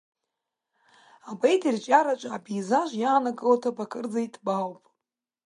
Апоет ирҿиараҿы апеизаж иааннакыло аҭыԥ кырӡа иҭбаауп.